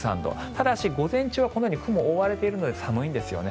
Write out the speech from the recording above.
ただし午前中は雲に覆われているので寒いんですよね。